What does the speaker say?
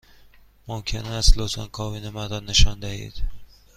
ممکن است لطفاً کابین مرا نشانم دهید؟